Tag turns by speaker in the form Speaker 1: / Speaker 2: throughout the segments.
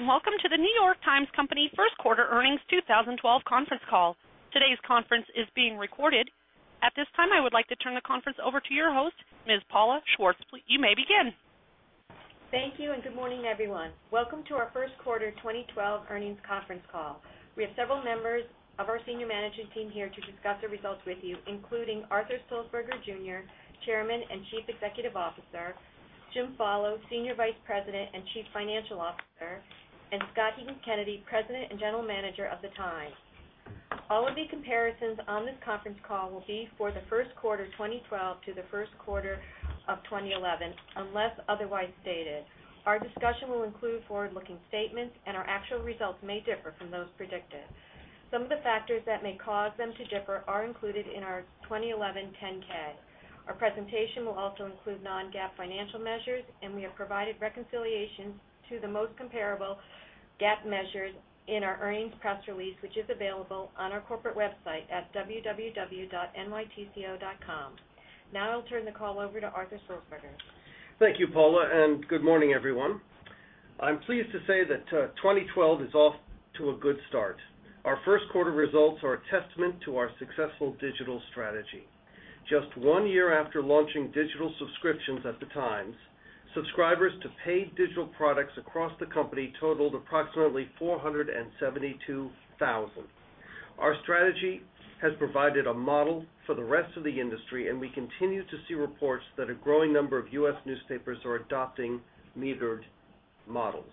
Speaker 1: Good day, and welcome to The New York Times Company first quarter earnings 2012 conference call. Today's conference is being recorded. At this time, I would like to turn the conference over to your host, Ms. Paula Schwartz. You may begin.
Speaker 2: Thank you, and good morning, everyone. Welcome to our first quarter 2012 earnings conference call. We have several members of our senior management team here to discuss the results with you, including Arthur Sulzberger Jr., Chairman and Chief Executive Officer, Jim Follo, Senior Vice President and Chief Financial Officer, and Scott Heekin-Canedy, President and General Manager of The Times. All of the comparisons on this conference call will be for the first quarter 2012 to the first quarter of 2011, unless otherwise stated. Our discussion will include forward-looking statements, and our actual results may differ from those predicted. Some of the factors that may cause them to differ are included in our 2011 10-K. Our presentation will also include non-GAAP financial measures, and we have provided reconciliation to the most comparable GAAP measures in our earnings press release, which is available on our corporate website at www.nytco.com. Now I'll turn the call over to Arthur Sulzberger.
Speaker 3: Thank you, Paula, and good morning, everyone. I'm pleased to say that 2012 is off to a good start. Our first quarter results are a testament to our successful digital strategy. Just one year after launching digital subscriptions at The Times, subscribers to paid digital products across the company totaled approximately 472,000. Our strategy has provided a model for the rest of the industry, and we continue to see reports that a growing number of U.S. newspapers are adopting metered models.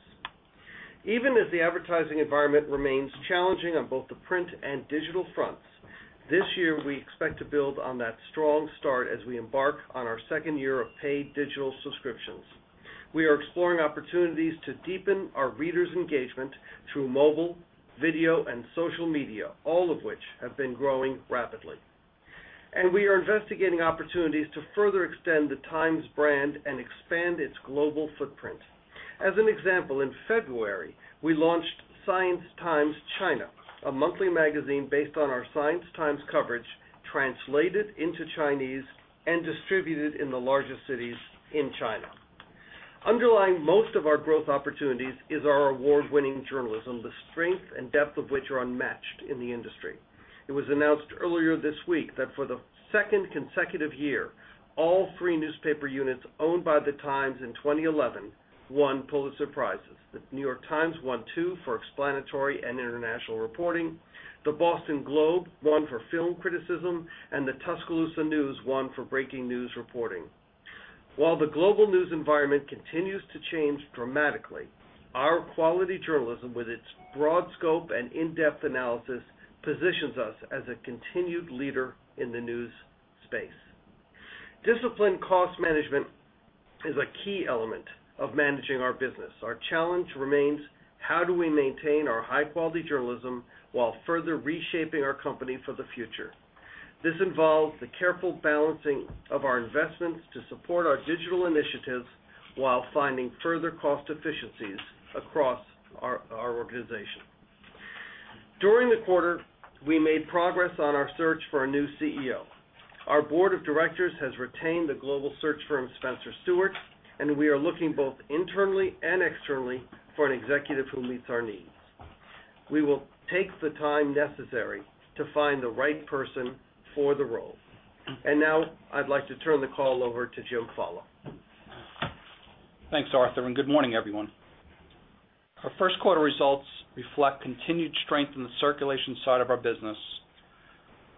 Speaker 3: Even as the advertising environment remains challenging on both the print and digital fronts, this year, we expect to build on that strong start as we embark on our second year of paid digital subscriptions. We are exploring opportunities to deepen our readers' engagement through mobile, video, and social media, all of which have been growing rapidly. We are investigating opportunities to further extend The Times brand and expand its global footprint. As an example, in February, we launched Science Times China, a monthly magazine based on our Science Times coverage, translated into Chinese and distributed in the largest cities in China. Underlying most of our growth opportunities is our award-winning journalism, the strength and depth of which are unmatched in the industry. It was announced earlier this week that for the second consecutive year, all three newspaper units owned by The Times in 2011 won Pulitzer Prizes. The New York Times won two for explanatory and international reporting, The Boston Globe won for film criticism, and The Tuscaloosa News won for breaking news reporting. While the global news environment continues to change dramatically, our quality journalism with its broad scope and in-depth analysis positions us as a continued leader in the news space. Disciplined cost management is a key element of managing our business. Our challenge remains how do we maintain our high-quality journalism while further reshaping our company for the future? This involves the careful balancing of our investments to support our digital initiatives while finding further cost efficiencies across our organization. During the quarter, we made progress on our search for a new CEO. Our board of directors has retained the global search firm Spencer Stuart, and we are looking both internally and externally for an executive who meets our needs. We will take the time necessary to find the right person for the role. Now I'd like to turn the call over to Jim Follo.
Speaker 4: Thanks, Arthur, and good morning, everyone. Our first quarter results reflect continued strength in the circulation side of our business,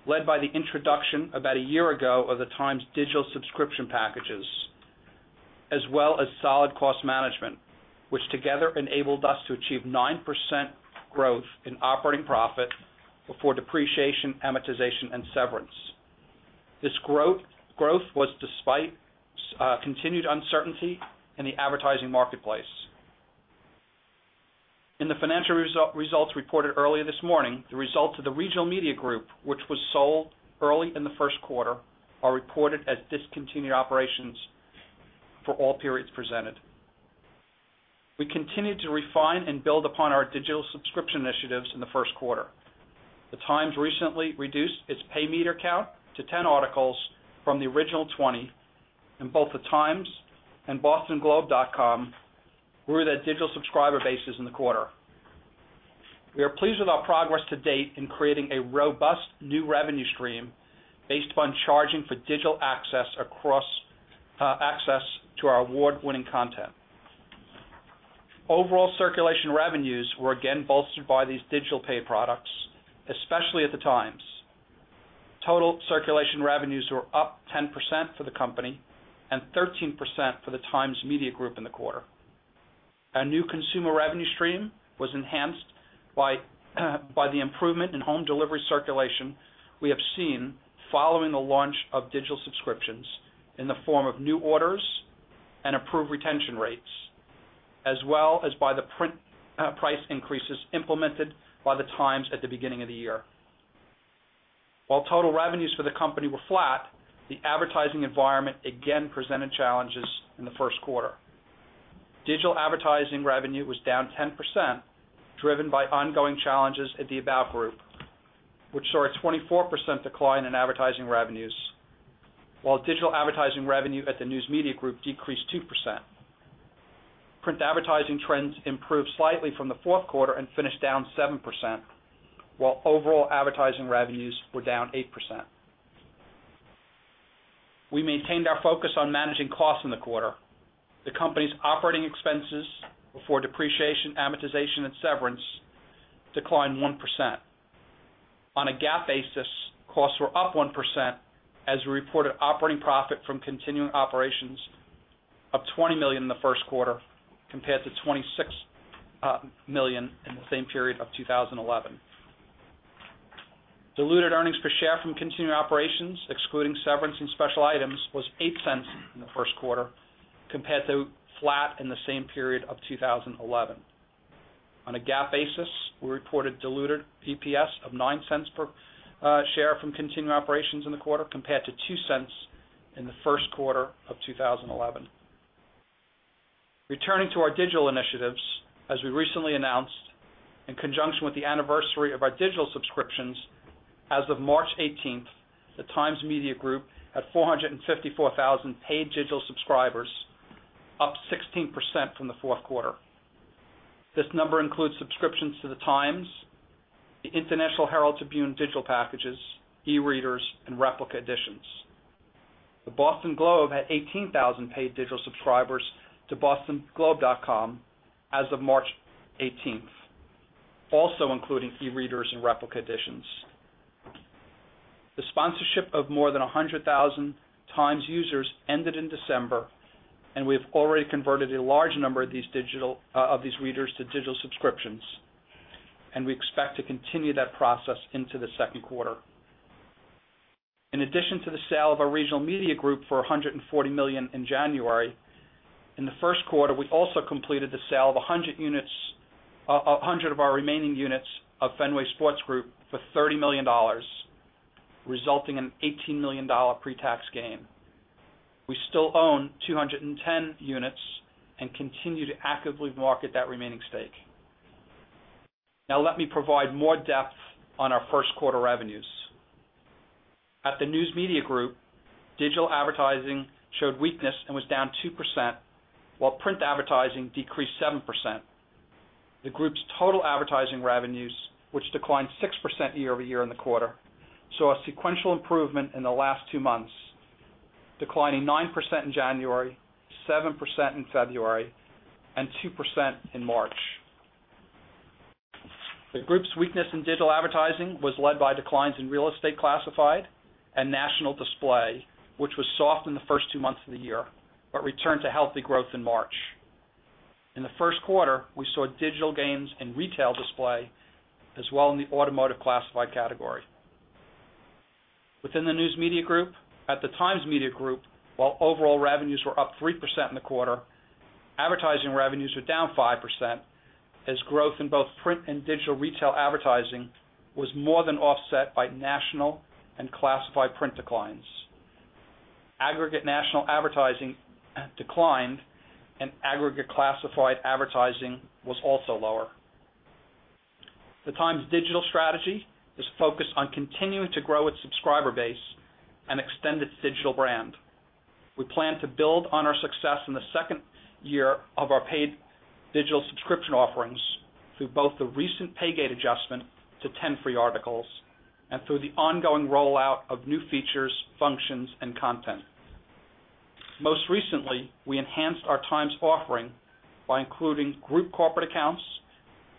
Speaker 4: led by the introduction about a year ago of The Times' digital subscription packages, as well as solid cost management, which together enabled us to achieve 9% growth in operating profit before depreciation, amortization, and severance. This growth was despite continued uncertainty in the advertising marketplace. In the financial results reported earlier this morning, the results of the Regional Media Group, which was sold early in the first quarter, are reported as discontinued operations for all periods presented. We continued to refine and build upon our digital subscription initiatives in the first quarter. The Times recently reduced its pay meter count to 10 articles from the original 20 in both The Times and bostonglobe.com where the digital subscriber base is in the quarter. We are pleased with our progress to date in creating a robust new revenue stream based upon charging for digital access to our award-winning content. Overall circulation revenues were again bolstered by these digital pay products, especially at The Times. Total circulation revenues were up 10% for the company and 13% for The Times Media Group in the quarter. Our new consumer revenue stream was enhanced by the improvement in home delivery circulation we have seen following the launch of digital subscriptions in the form of new orders and improved retention rates, as well as by the print price increases implemented by The Times at the beginning of the year. While total revenues for the company were flat, the advertising environment again presented challenges in the first quarter. Digital advertising revenue was down 10%, driven by ongoing challenges at the About Group, which saw a 24% decline in advertising revenues. While digital advertising revenue at the News Media Group decreased 2%. Print advertising trends improved slightly from the fourth quarter and finished down 7%, while overall advertising revenues were down 8%. We maintained our focus on managing costs in the quarter. The company's operating expenses before depreciation, amortization, and severance declined 1%. On a GAAP basis, costs were up 1% as we reported operating profit from continuing operations of $20 million in the first quarter compared to $26 million in the same period of 2011. Diluted earnings per share from continuing operations, excluding severance and special items, was $0.08 in the first quarter compared to flat in the same period of 2011. On a GAAP basis, we reported diluted EPS of $0.09 per share from continuing operations in the quarter, compared to $0.02 in the first quarter of 2011. Returning to our digital initiatives, as we recently announced, in conjunction with the anniversary of our digital subscriptions, as of March 18th, the Times Media Group had 454,000 paid digital subscribers, up 16% from the fourth quarter. This number includes subscriptions to the Times, the International Herald Tribune digital packages, e-readers, and replica editions. The Boston Globe had 18,000 paid digital subscribers to bostonglobe.com as of March 18th, also including e-readers and replica editions. The sponsorship of more than 100,000 Times users ended in December, and we have already converted a large number of these readers to digital subscriptions, and we expect to continue that process into the second quarter. In addition to the sale of our Regional Media Group for $140 million in January, in the first quarter, we also completed the sale of 100 of our remaining units of Fenway Sports Group for $30 million, resulting in an $18 million pretax gain. We still own 210 units and continue to actively market that remaining stake. Now let me provide more depth on our first quarter revenues. At the News Media Group, digital advertising showed weakness and was down 2% while print advertising decreased 7%. The group's total advertising revenues, which declined 6% year-over-year in the quarter, saw a sequential improvement in the last two months, declining 9% in January, 7% in February, and 2% in March. The group's weakness in digital advertising was led by declines in real estate classified and national display, which was soft in the first two months of the year, but returned to healthy growth in March. In the first quarter, we saw digital gains in retail display, as well in the automotive classified category. Within the News Media Group, at the Times Media Group, while overall revenues were up 3% in the quarter, advertising revenues were down 5%, as growth in both print and digital retail advertising was more than offset by national and classified print declines. Aggregate national advertising declined and aggregate classified advertising was also lower. The Times' digital strategy is focused on continuing to grow its subscriber base and extend its digital brand. We plan to build on our success in the second year of our paid digital subscription offerings through both the recent pay-gate adjustment to 10 free articles and through the ongoing rollout of new features, functions, and content. Most recently, we enhanced our Times offering by including group corporate accounts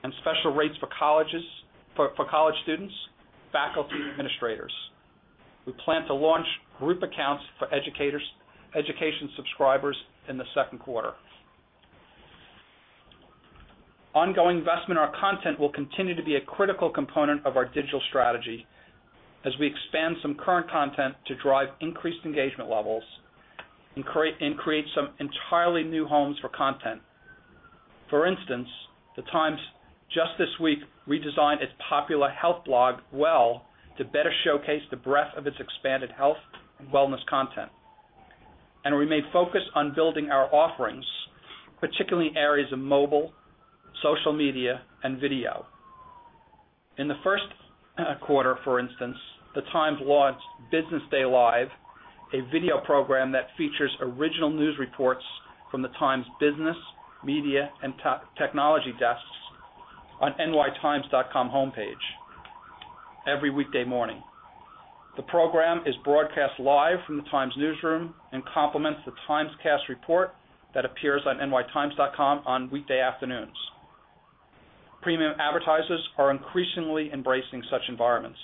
Speaker 4: and special rates for college students, faculty, and administrators. We plan to launch group accounts for education subscribers in the second quarter. Ongoing investment in our content will continue to be a critical component of our digital strategy as we expand some current content to drive increased engagement levels and create some entirely new homes for content. For instance, the Times, just this week, redesigned its popular health blog, Well, to better showcase the breadth of its expanded health and wellness content. We remain focused on building our offerings, particularly in areas of mobile, social media, and video. In the first quarter, for instance, The Times launched Business Day Live, a video program that features original news reports from The Times' business, media, and technology desks on nytimes.com homepage every weekday morning. The program is broadcast live from The Times newsroom and complements the TimesCast report that appears on nytimes.com on weekday afternoons. Premium advertisers are increasingly embracing such environments.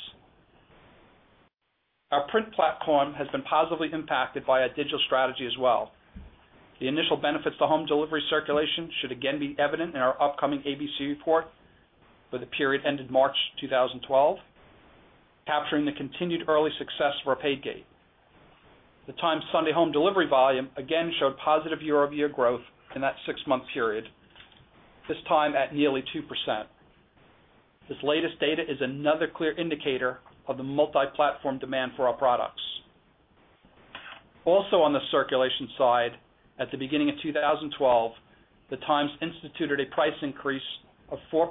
Speaker 4: Our print platform has been positively impacted by our digital strategy as well. The initial benefits to home delivery circulation should again be evident in our upcoming ABC report for the period ended March 2012, capturing the continued early success for our pay-gate. The Times' Sunday home delivery volume again showed positive year-over-year growth in that six-month period, this time at nearly 2%. This latest data is another clear indicator of the multi-platform demand for our products. Also on the circulation side. At the beginning of 2012, the Times instituted a price increase of 4%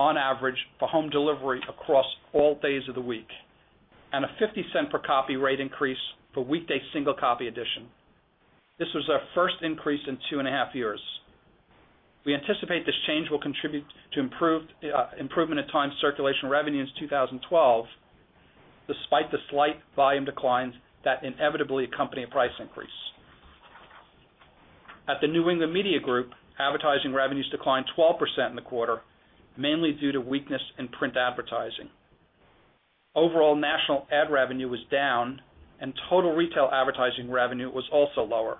Speaker 4: on average for home delivery across all days of the week, and a $0.50 per copy rate increase for weekday single copy edition. This was our first increase in 2.5 years. We anticipate this change will contribute to improvement in Times circulation revenue in 2012, despite the slight volume declines that inevitably accompany a price increase. At the New England Media Group, advertising revenues declined 12% in the quarter, mainly due to weakness in print advertising. Overall, national ad revenue was down, and total retail advertising revenue was also lower.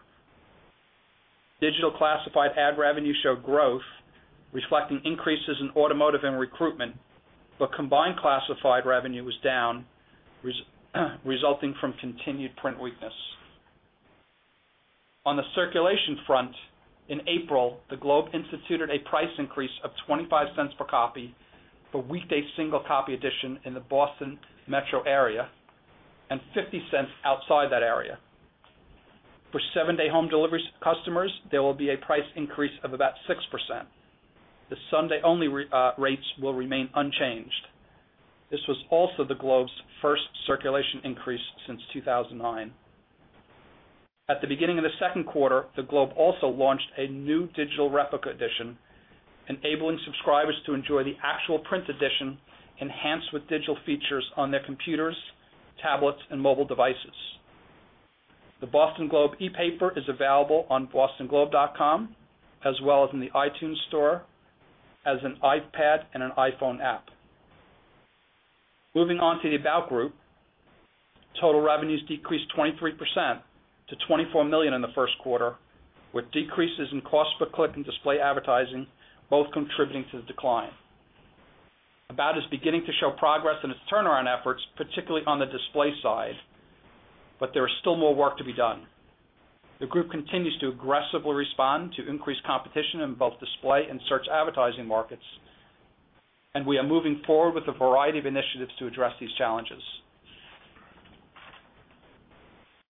Speaker 4: Digital classified ad revenue showed growth reflecting increases in automotive and recruitment, but combined classified revenue was down, resulting from continued print weakness. On the circulation front, in April, the Globe instituted a price increase of $0.25 per copy for weekday single copy edition in the Boston Metro area, and $0.50 outside that area. For seven-day home delivery customers, there will be a price increase of about 6%. The Sunday only rates will remain unchanged. This was also the Globe's first circulation increase since 2009. At the beginning of the second quarter, the Globe also launched a new digital replica edition, enabling subscribers to enjoy the actual print edition enhanced with digital features on their computers, tablets, and mobile devices. The Boston Globe ePaper is available on bostonglobe.com, as well as in the iTunes store, as an iPad and an iPhone app. Moving on to the About Group. Total revenues decreased 23% to $24 million in the first quarter, with decreases in cost per click in display advertising both contributing to the decline. About is beginning to show progress in its turnaround efforts, particularly on the display side. There is still more work to be done. The group continues to aggressively respond to increased competition in both display and search advertising markets, and we are moving forward with a variety of initiatives to address these challenges.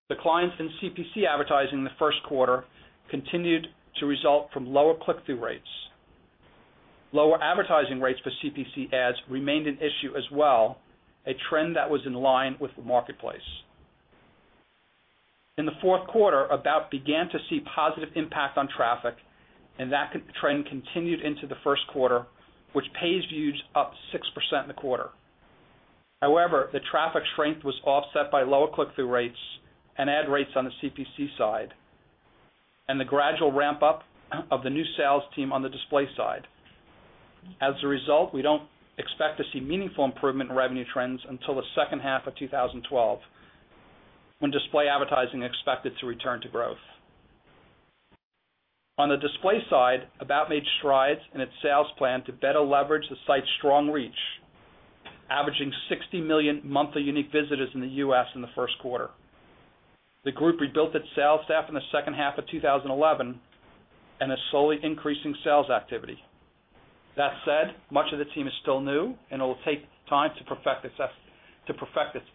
Speaker 4: Declines in CPC advertising in the first quarter continued to result from lower click-through rates. Lower advertising rates for CPC ads remained an issue as well, a trend that was in line with the marketplace. In the fourth quarter, About began to see positive impact on traffic, and that trend continued into the first quarter, with page views up 6% in the quarter. However, the traffic strength was offset by lower click-through rates and ad rates on the CPC side, and the gradual ramp-up of the new sales team on the display side. As a result, we don't expect to see meaningful improvement in revenue trends until the second half of 2012, when display advertising is expected to return to growth. On the display side, About made strides in its sales plan to better leverage the site's strong reach, averaging 60 million monthly unique visitors in the U.S. in the first quarter. The group rebuilt its sales staff in the second half of 2011 and is slowly increasing sales activity. That said, much of the team is still new and it will take time to perfect its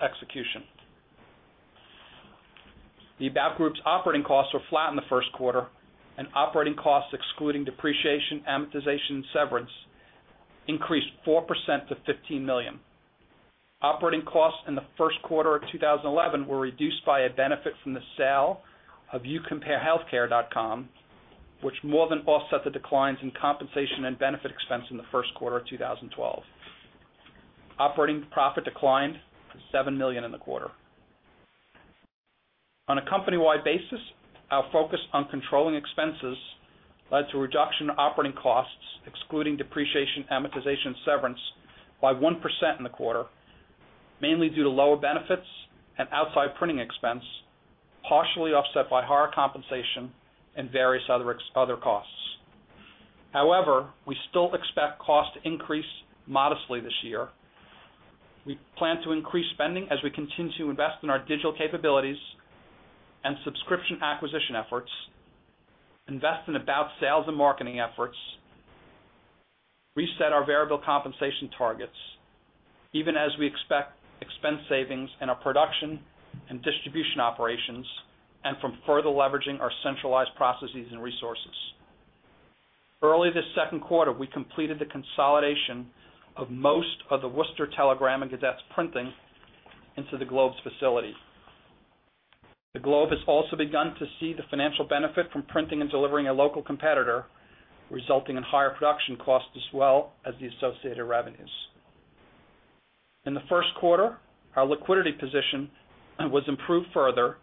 Speaker 4: execution. The About Group's operating costs were flat in the first quarter, and operating costs excluding depreciation, amortization, and severance increased 4% to $15 million. Operating costs in the first quarter of 2011 were reduced by a benefit from the sale of UCompareHealthCare.com, which more than offset the declines in compensation and benefits expense in the first quarter of 2012. Operating profit declined to $7 million in the quarter. On a company-wide basis, our focus on controlling expenses led to a reduction in operating costs, excluding depreciation, amortization, and severance by 1% in the quarter, mainly due to lower benefits and outside printing expense, partially offset by higher compensation and various other costs. However, we still expect costs to increase modestly this year. We plan to increase spending as we continue to invest in our digital capabilities and subscription acquisition efforts, invest in About sales and marketing efforts, reset our variable compensation targets, even as we expect expense savings in our production and distribution operations and from further leveraging our centralized processes and resources. Early this second quarter, we completed the consolidation of most of the Worcester Telegram & Gazette printing into the Globe's facility. The Globe has also begun to see the financial benefit from printing and delivering a local competitor, resulting in higher production costs as well as the associated revenues. In the first quarter, our liquidity position was improved further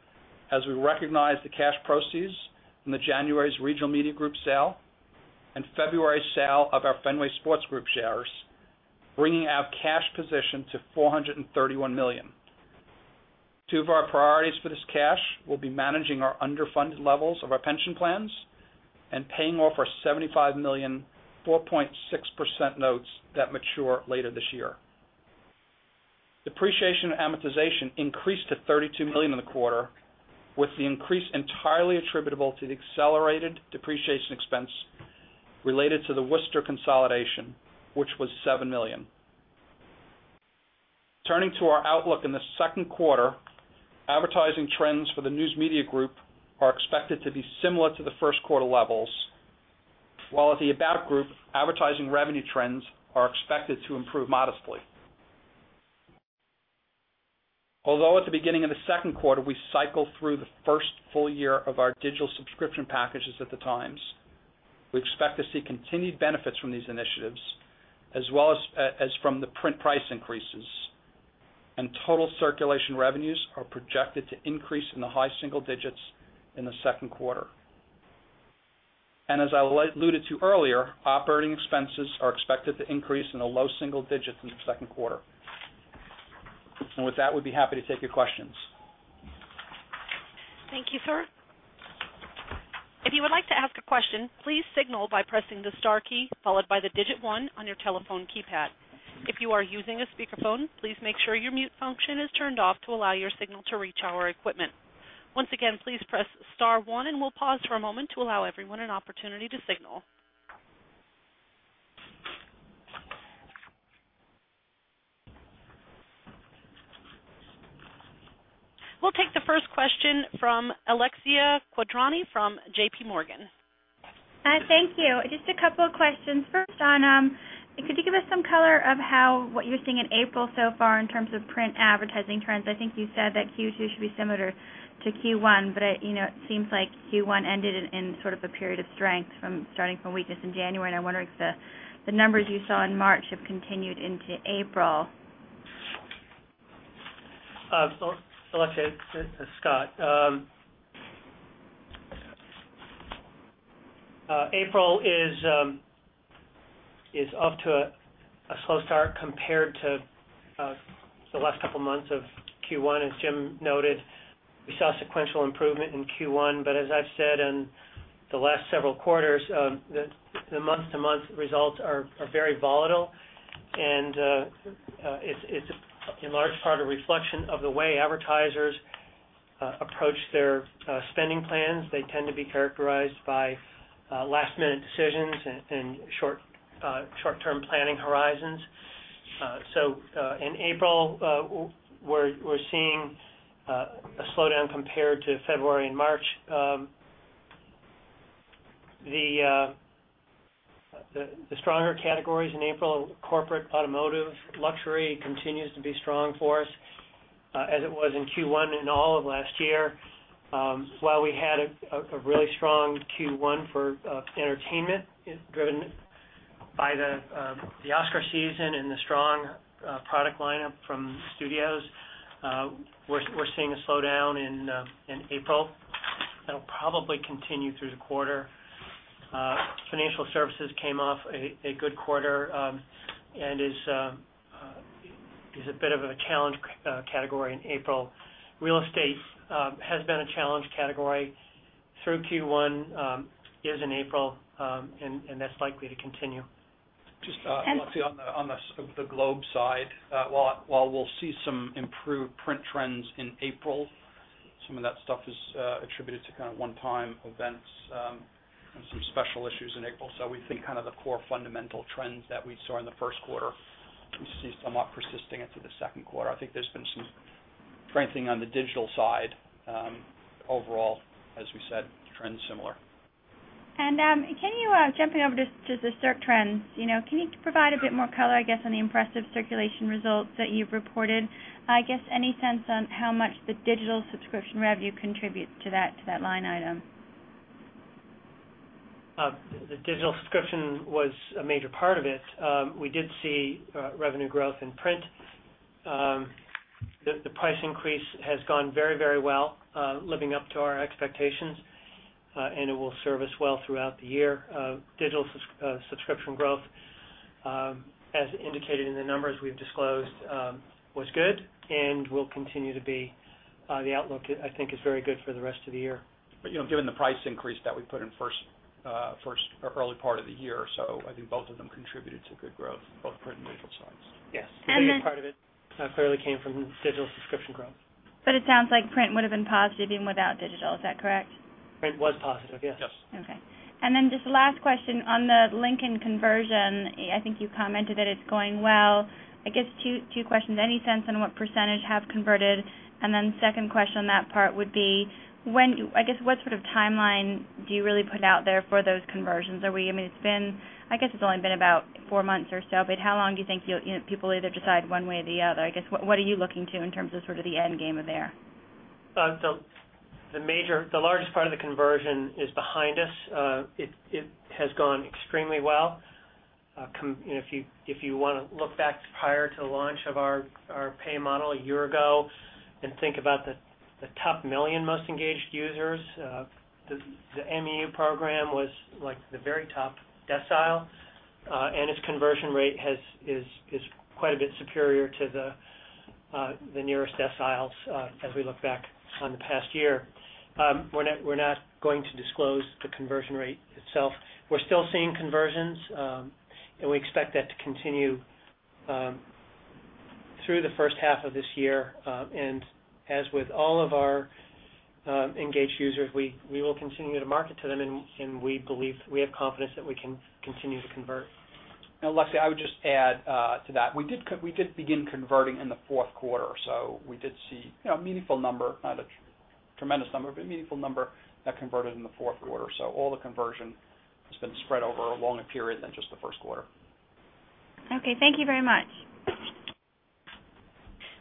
Speaker 4: as we recognized the cash proceeds from the January's Regional Media Group sale and February's sale of our Fenway Sports Group shares, bringing our cash position to $431 million. Two of our priorities for this cash will be managing our underfunded levels of our pension plans and paying off our $75 million 4.6% notes that mature later this year. Depreciation and amortization increased to $32 million in the quarter, with the increase entirely attributable to the accelerated depreciation expense related to the Worcester consolidation, which was $7 million. Turning to our outlook in the second quarter, advertising trends for the News Media Group are expected to be similar to the first quarter levels. While at the About Group, advertising revenue trends are expected to improve modestly. Although at the beginning of the second quarter, we cycle through the first full year of our digital subscription packages at The Times. We expect to see continued benefits from these initiatives, as well as from the print price increases. Total circulation revenues are projected to increase in the high single digits in the second quarter. As I alluded to earlier, operating expenses are expected to increase in the low single digits in the second quarter. With that, we'd be happy to take your questions.
Speaker 1: Thank you, sir. If you would like to ask a question, please signal by pressing the star key followed by the digit one on your telephone keypad. If you are using a speakerphone, please make sure your mute function is turned off to allow your signal to reach our equipment. Once again, please press star one and we'll pause for a moment to allow everyone an opportunity to signal. We'll take the first question from Alexia Quadrani from JPMorgan.
Speaker 5: Thank you. Just a couple of questions. First on, could you give us some color of what you're seeing in April so far in terms of print advertising trends? I think you said that Q2 should be similar to Q1, but it seems like Q1 ended in sort of a period of strength from starting from weakness in January. I'm wondering if the numbers you saw in March have continued into April.
Speaker 6: Alexia, it's Scott. April is off to a slow start compared to the last couple of months of Q1, as Jim noted. We saw sequential improvement in Q1, but as I've said in the last several quarters, the month-to-month results are very volatile, and it's in large part a reflection of the way advertisers approach their spending plans. They tend to be characterized by last-minute decisions and short-term planning horizons. In April, we're seeing a slowdown compared to February and March. The stronger categories in April, corporate, automotive, luxury continues to be strong for us as it was in Q1 and all of last year. While we had a really strong Q1 for entertainment driven by the Oscar season and the strong product lineup from studios, we're seeing a slowdown in April that'll probably continue through the quarter. Financial services came off a good quarter and is a bit of a challenged category in April. Real estate has been a challenged category through Q1, is in April, and that's likely to continue.
Speaker 4: Just Alexia, on the Globe side. While we'll see some improved print trends in April, some of that stuff is attributed to kind of one-time events and some special issues in April. We think kind of the core fundamental trends that we saw in the first quarter, we see somewhat persisting into the second quarter. I think there's been some strengthening on the digital side. Overall, as we said, trend's similar.
Speaker 5: Jumping over to the circ trends, can you provide a bit more color, I guess, on the impressive circulation results that you've reported? I guess any sense on how much the digital subscription revenue contributes to that line item?
Speaker 6: The digital subscription was a major part of it. We did see revenue growth in print. The price increase has gone very well, living up to our expectations. It will serve us well throughout the year. Digital subscription growth, as indicated in the numbers we've disclosed, was good and will continue to be. The outlook, I think, is very good for the rest of the year.
Speaker 4: Given the price increase that we put in early part of the year or so, I think both of them contributed to good growth, both print and digital sides.
Speaker 6: Yes.
Speaker 5: And then.
Speaker 6: A good part of it clearly came from digital subscription growth.
Speaker 5: It sounds like print would have been positive even without digital. Is that correct?
Speaker 6: Print was positive, yes.
Speaker 4: Yes.
Speaker 5: Okay. Just the last question on the Lincoln conversion, I think you commented that it's going well. I guess two questions. Any sense on what percentage have converted? Second question on that part would be, I guess what sort of timeline do you really put out there for those conversions? I guess it's only been about four months or so, but how long do you think people either decide one way or the other? I guess, what are you looking to in terms of sort of the end game there?
Speaker 6: The largest part of the conversion is behind us. It has gone extremely well. If you want to look back prior to the launch of our pay model a year ago and think about the top million most engaged users, the MEU program was the very top decile, its conversion rate is quite a bit superior to the nearest deciles as we look back on the past year. We're not going to disclose the conversion rate itself. We're still seeing conversions, and we expect that to continue through the first half of this year. As with all of our engaged users, we will continue to market to them, and we have confidence that we can continue to convert.
Speaker 4: Lexi, I would just add to that. We did begin converting in the fourth quarter or so. We did see a meaningful number, not a tremendous number, but a meaningful number that converted in the fourth quarter. All the conversion has been spread over a longer period than just the first quarter.
Speaker 5: Okay. Thank you very much.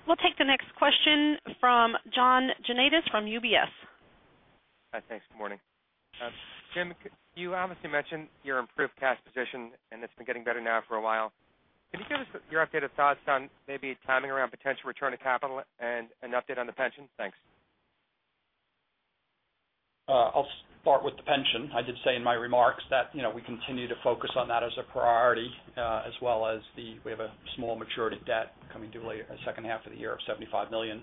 Speaker 1: We'll take the next question from John Janedis from UBS.
Speaker 7: Hi, thanks. Good morning. Jim, you obviously mentioned your improved cash position, and it's been getting better now for a while. Can you give us your updated thoughts on maybe timing around potential return of capital and an update on the pension? Thanks.
Speaker 4: I'll start with the pension. I did say in my remarks that we continue to focus on that as a priority, as well as we have a small maturity debt coming due later in the second half of the year of $75 million.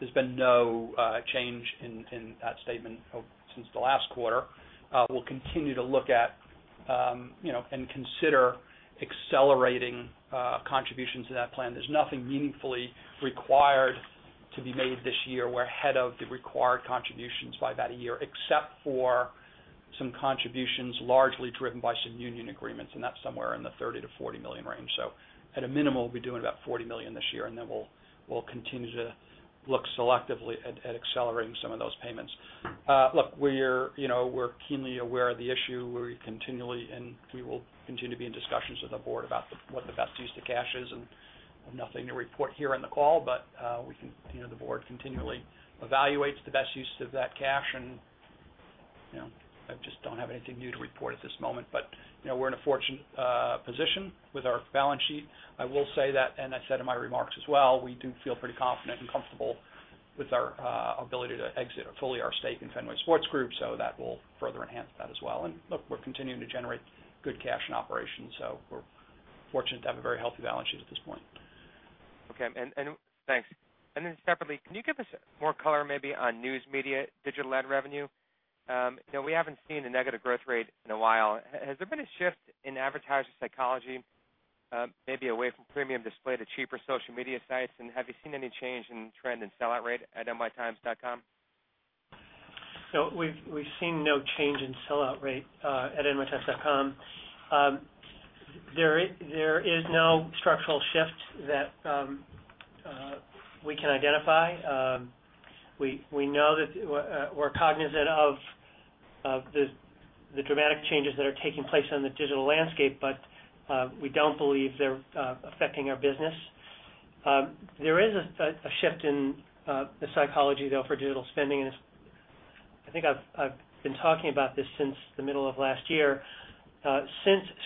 Speaker 4: There's been no change in that statement since the last quarter. We'll continue to look at and consider accelerating contributions to that plan. There's nothing meaningfully required to be made this year. We're ahead of the required contributions by about a year, except for some contributions largely driven by some union agreements, and that's somewhere in the $30 million-$40 million range. At a minimum, we'll be doing about $40 million this year, and then we'll continue to look selectively at accelerating some of those payments. Look, we're keenly aware of the issue. We continually and we will continue to be in discussions with the board about what the best use of cash is and have nothing to report here on the call. The board continually evaluates the best use of that cash, and I just don't have anything new to report at this moment. We're in a fortunate position with our balance sheet. I will say that, and I said in my remarks as well, we do feel pretty confident and comfortable with our ability to exit fully our stake in Fenway Sports Group, so that will further enhance that as well. Look, we're continuing to generate good cash from operations, so we're fortunate to have a very healthy balance sheet at this point.
Speaker 7: Okay. Thanks. Separately, can you give us more color maybe on News Media digital ad revenue? We haven't seen a negative growth rate in a while. Has there been a shift in advertiser psychology maybe away from premium display to cheaper social media sites? Have you seen any change in trend in sell-out rate at nytimes.com?
Speaker 6: We've seen no change in sell-out rate at nytimes.com. There is no structural shift that we can identify. We're cognizant of the dramatic changes that are taking place on the digital landscape, but we don't believe they're affecting our business. There is a shift in the psychology, though, for digital spending, and I think I've been talking about this since the middle of last year.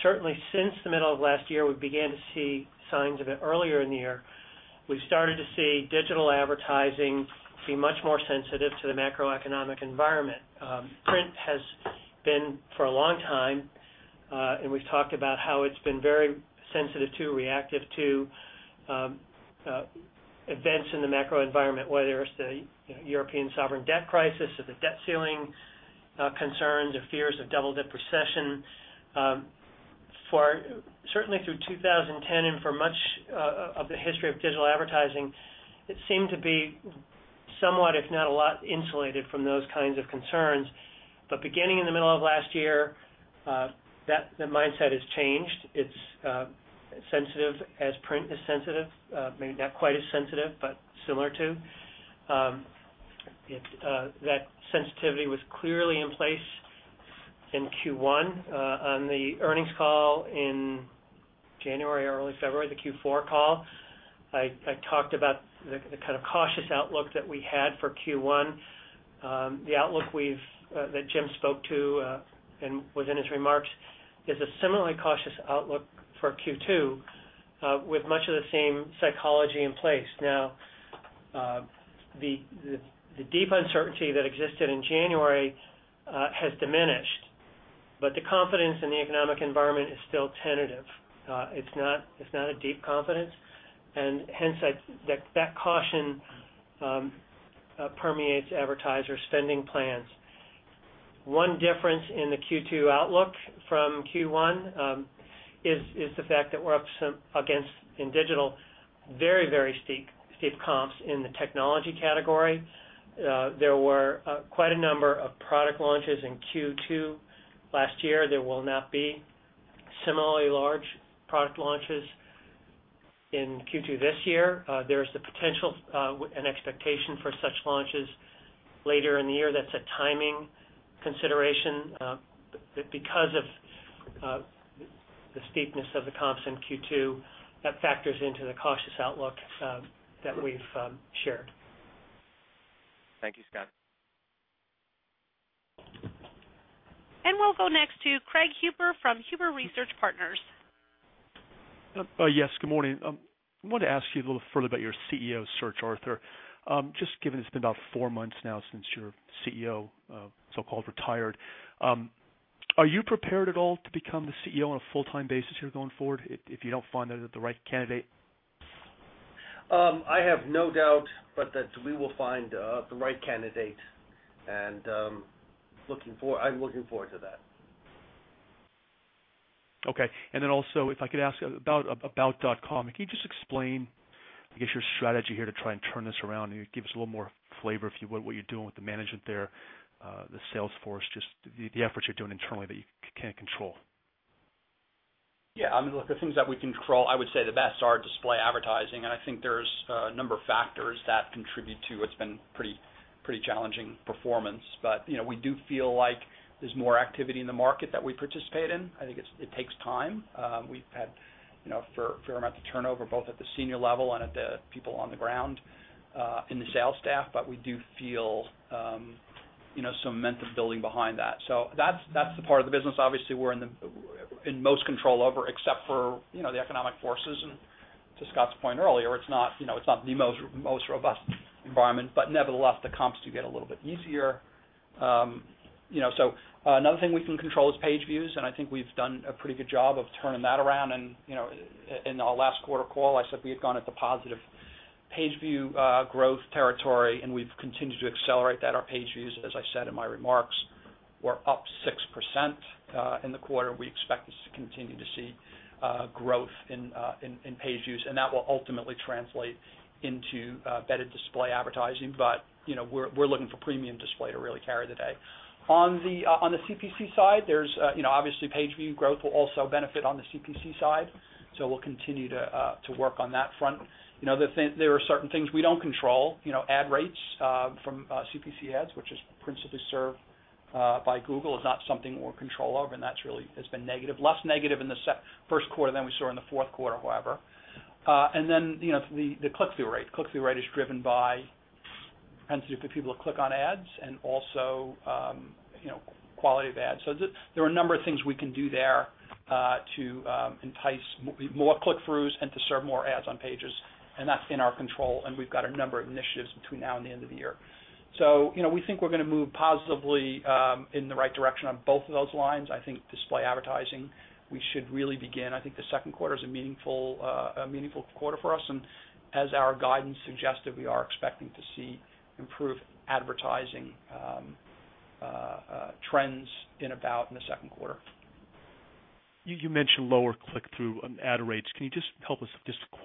Speaker 6: Certainly since the middle of last year, we began to see signs of it earlier in the year. We've started to see digital advertising be much more sensitive to the macroeconomic environment. Print has been for a long time, and we've talked about how it's been very sensitive to, reactive to events in the macro environment, whether it's the European sovereign debt crisis or the debt ceiling concerns or fears of double-dip recession. Certainly through 2010 and for much of the history of digital advertising, it seemed to be somewhat, if not a lot, insulated from those kinds of concerns. Beginning in the middle of last year, the mindset has changed. It's sensitive as print is sensitive, maybe not quite as sensitive, but similar to. That sensitivity was clearly in place in Q1. On the earnings call in January or early February, the Q4 call, I talked about the kind of cautious outlook that we had for Q1. The outlook that Jim spoke to and was in his remarks is a similarly cautious outlook for Q2 with much of the same psychology in place. Now, the deep uncertainty that existed in January has diminished, but the confidence in the economic environment is still tentative. It's not a deep confidence, and hence that caution permeates advertiser spending plans. One difference in the Q2 outlook from Q1 is the fact that we're up against, in digital, very steep comps in the technology category. There were quite a number of product launches in Q2 last year. There will not be similarly large product launches in Q2 this year. There is the potential and expectation for such launches later in the year. That's a timing consideration. Because of the steepness of the comps in Q2, that factors into the cautious outlook that we've shared.
Speaker 7: Thank you, Scott.
Speaker 1: We'll go next to Craig Huber from Huber Research Partners.
Speaker 8: Yes, good morning. I want to ask you a little further about your CEO search, Arthur. Just given it's been about four months now since your CEO so-called retired, are you prepared at all to become the CEO on a full-time basis here going forward if you don't find the right candidate?
Speaker 3: I have no doubt but that we will find the right candidate, and I'm looking forward to that.
Speaker 8: Okay. Also if I could ask about about.com. Can you just explain, I guess, your strategy here to try and turn this around and give us a little more flavor, if you would, what you're doing with the management there, the sales force, just the efforts you're doing internally that you can't control?
Speaker 4: Yeah. Look, the things that we control, I would say the best are display advertising, and I think there's a number of factors that contribute to it being pretty challenging performance. We do feel like there's more activity in the market that we participate in. I think it takes time. We've had a fair amount of turnover, both at the senior level and at the people on the ground, in the sales staff. We do feel some momentum building behind that. That's the part of the business, obviously, we're in most control over, except for the economic forces. To Scott's point earlier, it's not the most robust environment, but nevertheless, the comps do get a little bit easier. Another thing we can control is page views, and I think we've done a pretty good job of turning that around. In our last quarter call, I said we had gone into positive page view growth territory, and we've continued to accelerate that. Our page views, as I said in my remarks, were up 6% in the quarter. We expect to continue to see growth in page views, and that will ultimately translate into better display advertising. We're looking for premium display to really carry the day. On the CPC side, obviously page view growth will also benefit on the CPC side. We'll continue to work on that front. There are certain things we don't control. Ad rates from CPC ads, which is principally served by Google, is not something we have control over, and that really has been negative, less negative in the first quarter than we saw in the fourth quarter, however. Then the click-through rate. Click-through rate is driven by people who click on ads and also quality of ads. There are a number of things we can do there to entice more click-throughs and to serve more ads on pages, and that's in our control, and we've got a number of initiatives between now and the end of the year. We think we're going to move positively in the right direction on both of those lines. I think display advertising, we should really begin. I think the second quarter is a meaningful quarter for us. As our guidance suggested, we are expecting to see improved advertising trends in the second quarter.
Speaker 8: You mentioned lower click-through ad rates. Can you just help us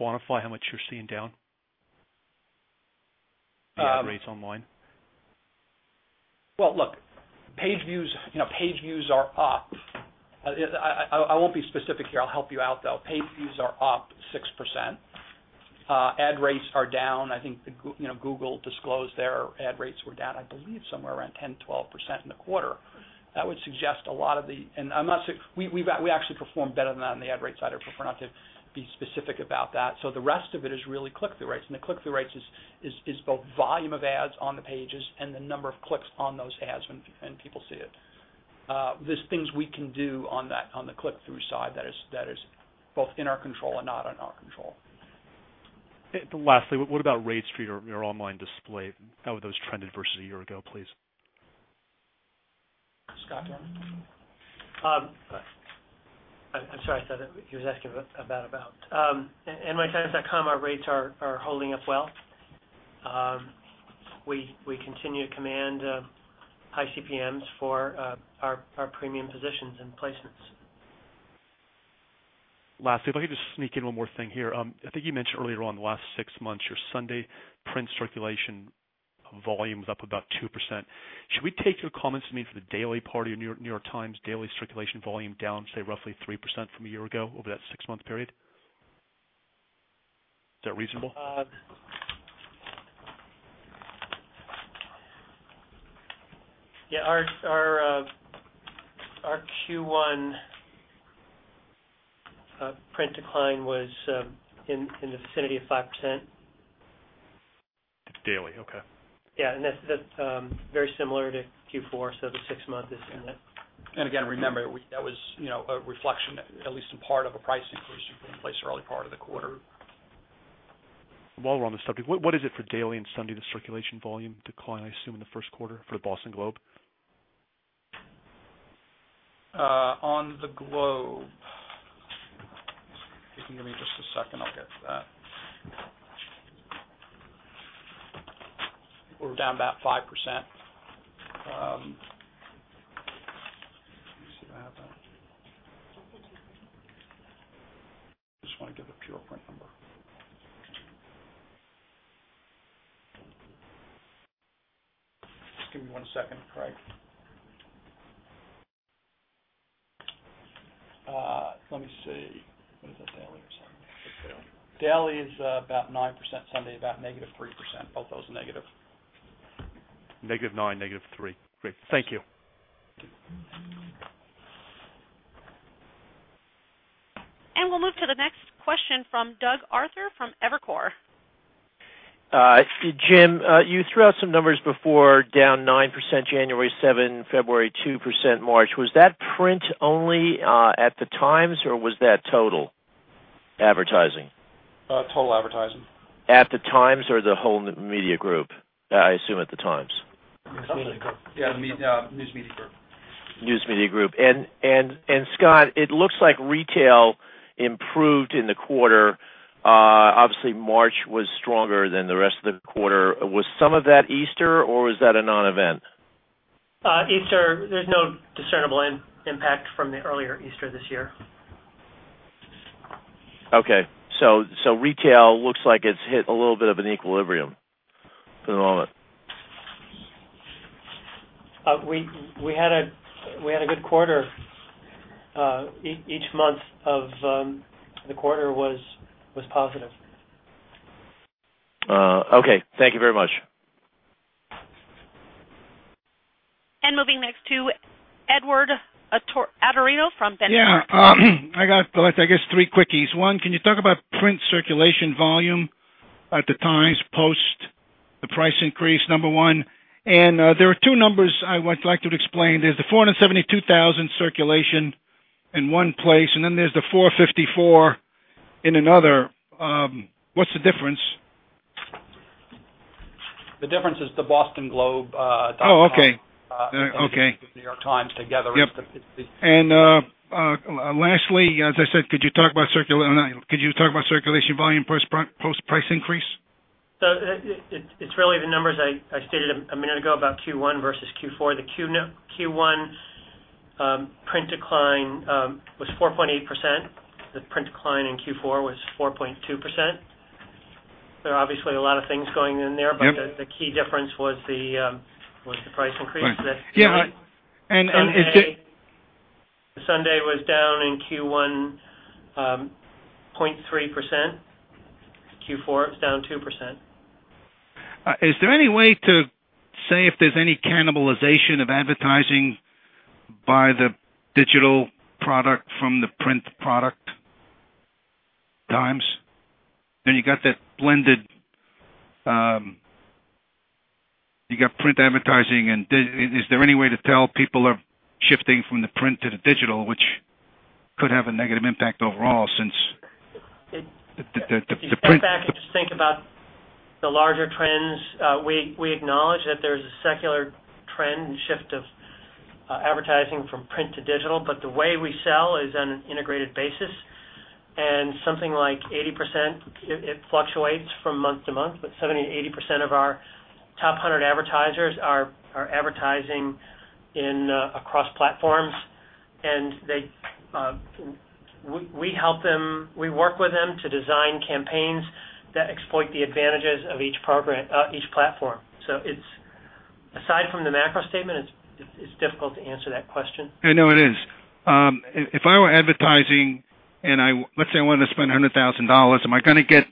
Speaker 8: quantify how much you're seeing down in the ad rates online?
Speaker 4: Well, look, page views are up. I won't be specific here. I'll help you out, though. Page views are up 6%. Ad rates are down. I think Google disclosed their ad rates were down, I believe somewhere around 10%, 12% in the quarter. We actually performed better than that on the ad rate side, but I prefer not to be specific about that. The rest of it is really click-through rates, and the click-through rates is both volume of ads on the pages and the number of clicks on those ads when people see it. There's things we can do on the click-through side that is both in our control and not in our control.
Speaker 8: Lastly, what about rates through your online display? How have those trended versus a year ago, please?
Speaker 4: Scott?
Speaker 6: I'm sorry. He was asking about About.com. nytimes.com, our rates are holding up well. We continue to command high CPMs for our premium positions and placements.
Speaker 8: Lastly, if I could just sneak in one more thing here. I think you mentioned earlier on the last six months, your Sunday print circulation volume was up about 2%. Should we take your comments to mean for the daily part of your New York Times daily circulation volume down, say, roughly 3% from a year ago over that six-month period? Is that reasonable?
Speaker 6: Yeah. Our Q1 print decline was in the vicinity of 5%.
Speaker 8: Daily. Okay.
Speaker 6: Yeah. That's very similar to Q4, so the six-month is in it.
Speaker 4: Again, remember, that was a reflection, at least in part, of a price increase we put in place early part of the quarter.
Speaker 8: While we're on the subject, what is it for daily and Sunday, the circulation volume decline, I assume, in the first quarter for The Boston Globe?
Speaker 4: On the Globe. If you can give me just a second, I'll get to that. We're down about 5%. Let me see what I have there. Just want to give a pure print number. Just give me one second, Craig. Let me see. What is it, daily or Sunday? Daily is about 9%, Sunday about -3%. Both those are negative.
Speaker 8: -9%, -3%. Great. Thank you.
Speaker 1: We'll move to the next question from Doug Arthur from Evercore.
Speaker 9: Jim, you threw out some numbers before, down 9% January, 7% February, 2% March. Was that print only at the Times or was that total advertising?
Speaker 4: Total advertising.
Speaker 9: At the Times or the whole media group? I assume at the Times.
Speaker 4: News Media Group.
Speaker 9: News Media Group. Scott, it looks like retail improved in the quarter. Obviously March was stronger than the rest of the quarter. Was some of that Easter or was that a non-event?
Speaker 6: Easter, there's no discernible impact from the earlier Easter this year.
Speaker 9: Okay, retail looks like it's hit a little bit of an equilibrium for the moment?
Speaker 6: We had a good quarter. Each month of the quarter was positive.
Speaker 9: Okay. Thank you very much.
Speaker 1: Moving next to Edward Atorino from The Benchmark Company.
Speaker 10: Yeah. I got, I guess, three quickies. One, can you talk about print circulation volume at The Times, post the price increase, number one? There are two numbers I would like you to explain. There's the 472,000 circulation in one place, and then there's the 454,000 in another. What's the difference?
Speaker 6: The difference is the bostonglobe.com.
Speaker 10: Oh, okay.
Speaker 6: With The New York Times together.
Speaker 10: Yep. Lastly, as I said, could you talk about circulation volume post price increase?
Speaker 6: It's really the numbers I stated a minute ago about Q1 versus Q4. The Q1 print decline was 4.8%. The print decline in Q4 was 4.2%. There are obviously a lot of things going in there but the key difference was the price increase.
Speaker 10: Yeah.
Speaker 6: The Sunday was down in Q1, 0.3%. Q4, it was down 2%.
Speaker 10: Is there any way to say if there's any cannibalization of advertising by the digital product from the print product Times? You got that blended, you got print advertising and is there any way to tell people are shifting from the print to the digital, which could have a negative impact overall since the print.
Speaker 6: If you step back and just think about the larger trends, we acknowledge that there's a secular trend and shift of advertising from print to digital. The way we sell is on an integrated basis, and something like 80%, it fluctuates from month to month, but 70%-80% of our top 100 advertisers are advertising across platforms. We work with them to design campaigns that exploit the advantages of each platform. Aside from the macro statement, it's difficult to answer that question.
Speaker 10: I know it is. If I were advertising and let's say I wanted to spend $100,000, am I going to get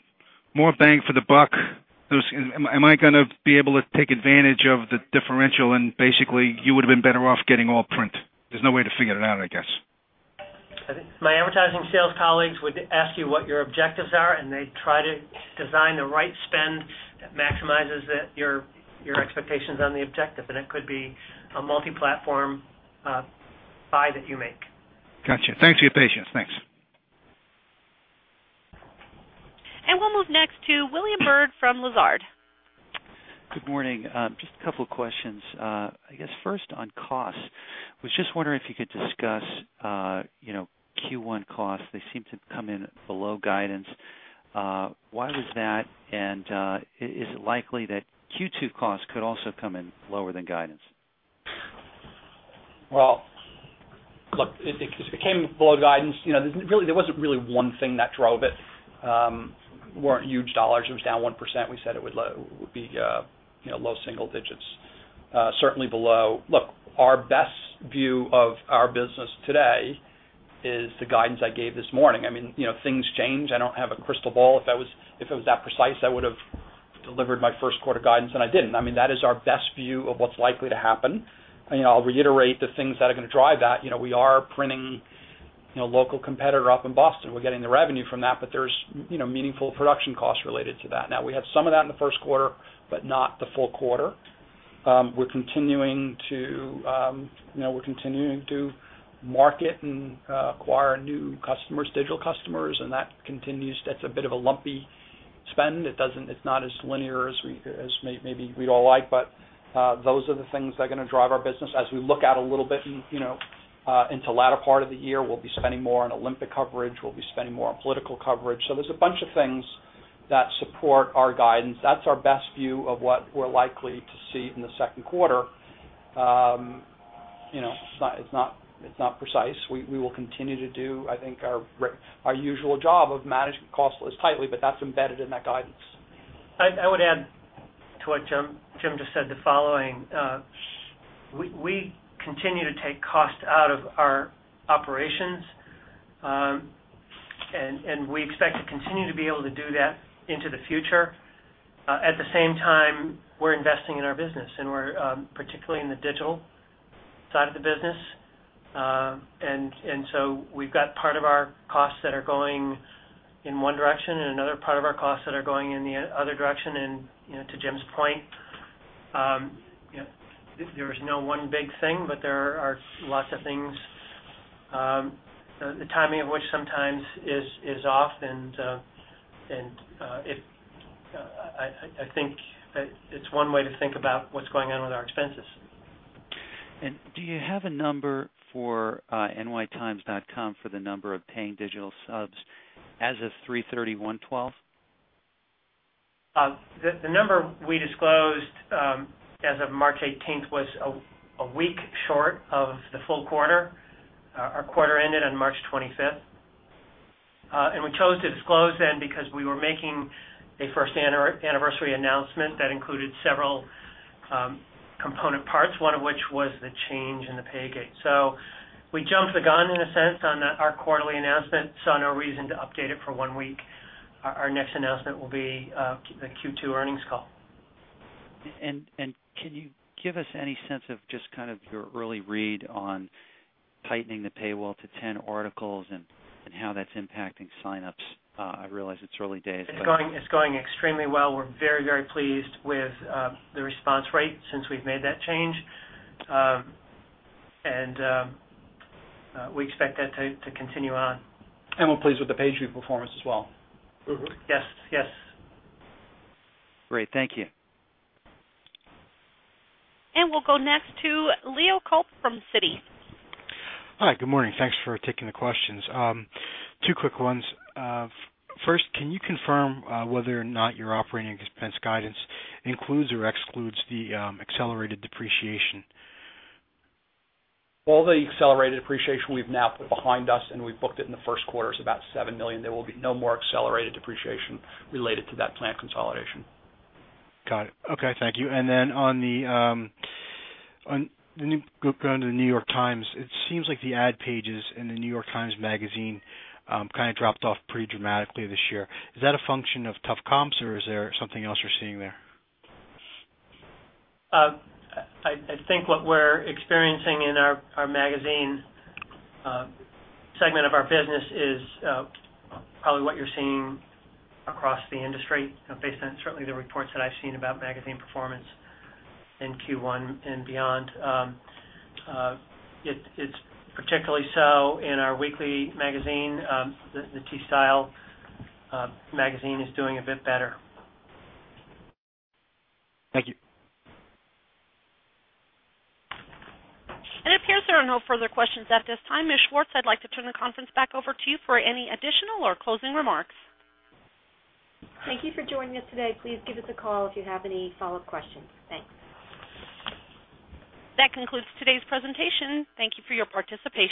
Speaker 10: more bang for the buck? Am I going to be able to take advantage of the differential and basically you would've been better off getting all print? There's no way to figure that out, I guess.
Speaker 6: My advertising sales colleagues would ask you what your objectives are, and they'd try to design the right spend that maximizes your expectations on the objective. It could be a multi-platform buy that you make.
Speaker 10: Got you. Thanks for your patience. Thanks.
Speaker 1: We'll move next to William Bird from Lazard.
Speaker 11: Good morning. Just a couple questions. I guess first on cost. Was just wondering if you could discuss Q1 costs. They seem to have come in below guidance. Why was that? And is it likely that Q2 costs could also come in lower than guidance?
Speaker 4: Well, look, it came below guidance. There wasn't really one thing that drove it. Weren't huge dollars. It was down 1%. We said it would be low single digits. Look, our best view of our business today is the guidance I gave this morning. Things change. I don't have a crystal ball. If it was that precise, I would've delivered my first quarter guidance, and I didn't. That is our best view of what's likely to happen. I'll reiterate the things that are going to drive that. We are printing local competitor up in Boston. We're getting the revenue from that, but there's meaningful production costs related to that. Now, we had some of that in the first quarter, but not the full quarter. We're continuing to market and acquire new customers, digital customers, and that continues. That's a bit of a lumpy spend. It's not as linear as maybe we all like, but those are the things that are going to drive our business. As we look out a little bit into latter part of the year, we'll be spending more on Olympic coverage. We'll be spending more on political coverage. There's a bunch of things that support our guidance. That's our best view of what we're likely to see in the second quarter. It's not precise. We will continue to do, I think, our usual job of managing costs as tightly, but that's embedded in that guidance.
Speaker 6: I would add to what Jim just said the following. We continue to take cost out of our operations, and we expect to continue to be able to do that into the future. At the same time, we're investing in our business and we're, particularly in the digital side of the business. We've got part of our costs that are going in one direction and another part of our costs that are going in the other direction. To Jim's point, there is no one big thing, but there are lots of things, the timing of which sometimes is off. I think it's one way to think about what's going on with our expenses.
Speaker 11: Do you have a number for nytimes.com for the number of paying digital subs as of 3/31/2012?
Speaker 6: The number we disclosed as of March 18th was a week short of the full quarter. Our quarter ended on March 25th. We chose to disclose then because we were making a first anniversary announcement that included several component parts, one of which was the change in the pay gate. We jumped the gun, in a sense, on our quarterly announcement, saw no reason to update it for one week. Our next announcement will be the Q2 earnings call.
Speaker 11: Can you give us any sense of just kind of your early read on tightening the paywall to 10 articles and how that's impacting sign-ups? I realize it's early days, but.
Speaker 6: It's going extremely well. We're very, very pleased with the response rate since we've made that change. We expect that to continue on.
Speaker 4: We're pleased with the page view performance as well.
Speaker 6: Yes.
Speaker 11: Great. Thank you.
Speaker 1: We'll go next to Leo Kulp from Citi.
Speaker 12: Hi. Good morning. Thanks for taking the questions. Two quick ones. First, can you confirm whether or not your operating expense guidance includes or excludes the accelerated depreciation?
Speaker 4: All the accelerated depreciation we've now put behind us, and we've booked it in the first quarter. It's about $7 million. There will be no more accelerated depreciation related to that plant consolidation.
Speaker 12: Got it. Okay. Thank you. Going to The New York Times, it seems like the ad pages in The New York Times Magazine kind of dropped off pretty dramatically this year. Is that a function of tough comps, or is there something else you're seeing there?
Speaker 6: I think what we're experiencing in our magazine segment of our business is probably what you're seeing across the industry, based on certainly the reports that I've seen about magazine performance in Q1 and beyond. It's particularly so in our weekly magazine. The T Style Magazine is doing a bit better.
Speaker 12: Thank you.
Speaker 1: It appears there are no further questions at this time. Ms. Schwartz, I'd like to turn the conference back over to you for any additional or closing remarks.
Speaker 2: Thank you for joining us today. Please give us a call if you have any follow-up questions. Thanks.
Speaker 1: That concludes today's presentation. Thank you for your participation.